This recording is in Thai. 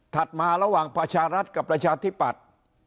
มาระหว่างประชารัฐกับประชาธิปัตย์